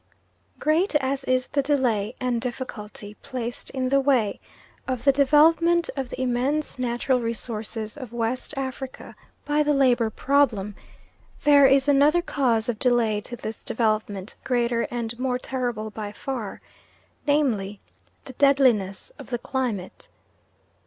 Great as is the delay and difficulty placed in the way of the development of the immense natural resources of West Africa by the labour problem, there is another cause of delay to this development greater and more terrible by far namely, the deadliness of the climate.